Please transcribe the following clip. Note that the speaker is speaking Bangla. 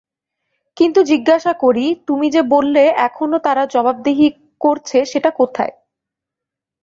কিন্তু জিজ্ঞাসা করি, তুমি যে বললে এখনো তারা জবাবদিহি করছে সেটা কোথায়?